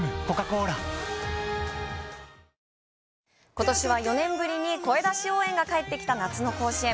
ことしは４年ぶりに声出し応援が帰ってきた夏の甲子園。